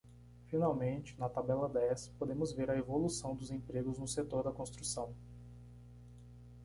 Finalmente, na tabela dez, podemos ver a evolução dos empregos no setor da construção.